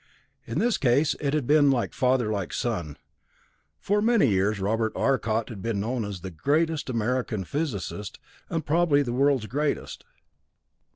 In this case it had been "like father, like son". For many years Robert Arcot had been known as the greatest American physicist, and probably the world's greatest.